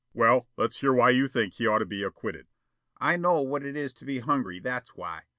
"Well, let's hear why you think he ought to be acquitted." "I know what it is to be hungry, that's why.